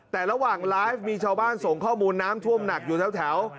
แต่ระหว่างไลฟ์มีชาวบ้านส่งข้อมูลน้ำท่วมหนักอยู่แถว